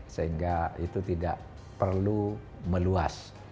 sehingga itu tidak perlu meluas